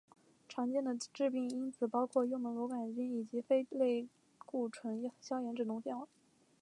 常见的致病因子包括幽门螺旋杆菌以及非类固醇消炎止痛药。